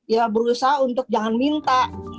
ya berusaha untuk jangan minta